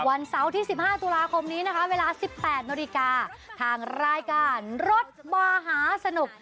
วันเสาร์ที่๑๕ตุลาคมนี้นะคะเวลา๑๘นาฬิกาทางรายการรถมหาสนุก